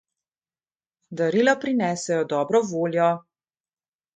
Darila prinesejo dobro voljo.